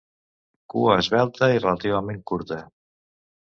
Cua esvelta i relativament curta.